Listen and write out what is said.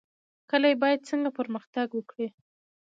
کلي باید څنګه پرمختګ وکړي؟